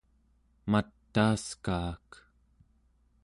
mataaskaak